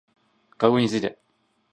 学部について